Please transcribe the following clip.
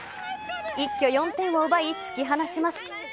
一挙、４点を奪い突き放します。